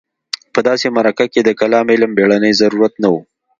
په داسې معرکه کې د کلام علم بېړنی ضرورت نه و.